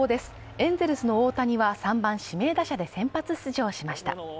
エンゼルスの大谷は３番指名打者で先発出場しました。